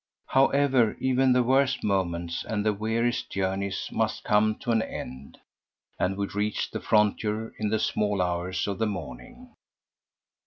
However, even the worst moments and the weariest journeys must come to an end, and we reached the frontier in the small hours of the morning.